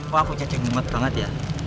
pak aku ngedi banget ya